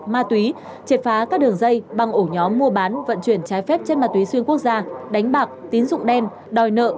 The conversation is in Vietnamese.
ma túy triệt phá các đường dây băng ổ nhóm mua bán vận chuyển trái phép trên ma túy xuyên quốc gia đánh bạc tín dụng đen đòi nợ